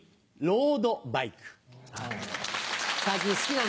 ロードバイクね。